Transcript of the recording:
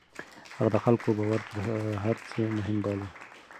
هغه د خلکو باور تر هر څه مهم باله.